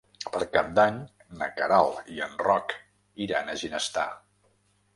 Per Cap d'Any na Queralt i en Roc iran a Ginestar.